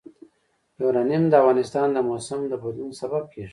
یورانیم د افغانستان د موسم د بدلون سبب کېږي.